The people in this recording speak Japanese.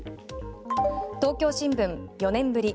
東京新聞、４年ぶり。